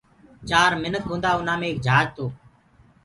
چآر منک هوندآ انآ مي ايڪ جھاج تو